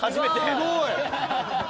すごい！